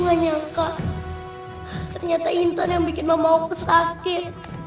aku gak menyangka ternyata intan yang membuat mama aku sakit